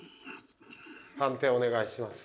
判定お願いします